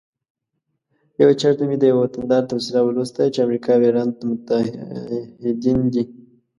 یو چیرته مې د یوه وطندار تبصره ولوسته چې امریکا او ایران متعهدین دي